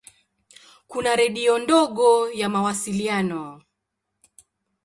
Kuna redio ndogo ya mawasiliano.